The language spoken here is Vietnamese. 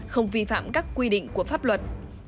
không vi phạm các quy định của pháp luật